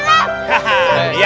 jadi ustaz selep